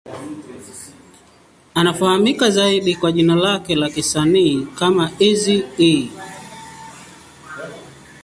Anafahamika zaidi kwa jina lake la kisanii kama Eazy-E.